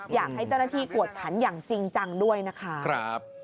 อยากให้เจ้าหน้าที่กวดขันอย่างจริงจังด้วยนะคะ